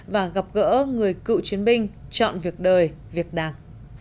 và gặp gỡ người cựu chiến binh chọn việc đời việc đảng